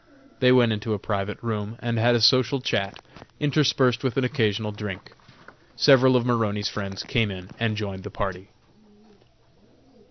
They went into a private room and had a social chat, interspersed with an occasional drink. Several of Maroney's friends came in and joined the party.